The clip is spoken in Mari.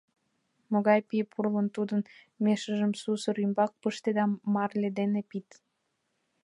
Могай пий пурлын, тудын межшым сусыр ӱмбак пыште да марле дене пид...